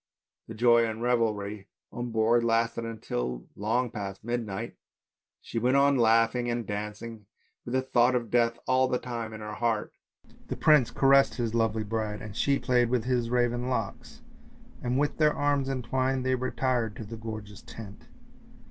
The joy and revelry on board lasted till long past midnight, she went on laughing and dancing with the thought of death all the time in her heart. The prince caressed his lovely bride and she played with his raven locks, and with their arms entwined they retired to the gorgeous tent.